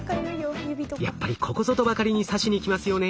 やっぱりここぞとばかりに刺しにきますよね。